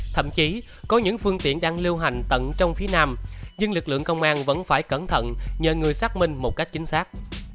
thậm chí có những phương tiện đang lưu hành tận trong phía nam nhưng lực lượng công an vẫn phải cẩn thận nhờ người xác minh một cách chính xác